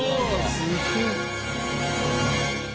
すげえ。